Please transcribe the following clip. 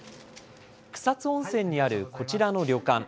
草津温泉にあるこちらの旅館。